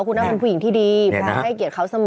คุณอ้ำเป็นผู้หญิงที่ดีให้เกียรติเขาเสมอ